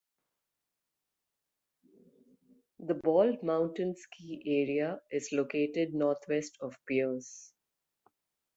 The Bald Mountain Ski Area is located northwest of Pierce.